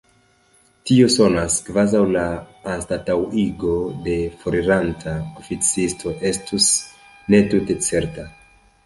Tio sonas, kvazaŭ la anstataŭigo de foriranta oficisto estus ne tute certa.